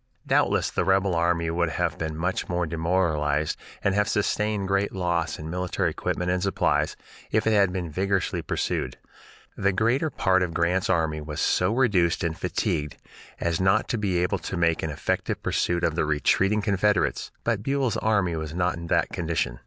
Doubtless the rebel army would have been much more demoralized and have sustained great loss in military equipment and supplies, if it had been vigorously pursued. The greater part of Grant's army was so reduced and fatigued as not to be able to make an effective pursuit of the retreating Confederates, but Buell's army was not in that condition.